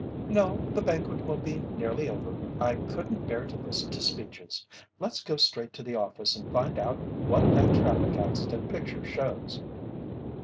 "No, the banquet will be nearly over. I couldn't bear to listen to speeches. Let's go straight to the office and find out what that traffic accident picture shows."